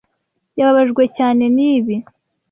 Yababajwe cyane nibi.